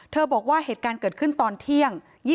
บอกว่าเหตุการณ์เกิดขึ้นตอนเที่ยง